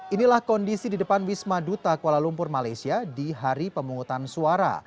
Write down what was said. inilah kondisi di depan wisma duta kuala lumpur malaysia di hari pemungutan suara